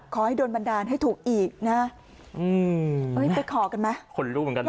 ขอให้โดนบันดาลให้ถูกอีกนะอืมเอ้ยไปขอกันไหมคนรู้เหมือนกันนะ